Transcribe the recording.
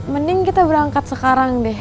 mending kita berangkat sekarang deh